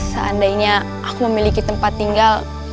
seandainya aku memiliki tempat tinggal